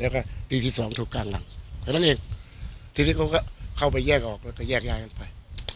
แล้วก็ตีที่สองถูกการหลังเท่านั้นเองทีนี้เขาก็เข้าไปแยกออกแล้วก็แยกย้ายกันไป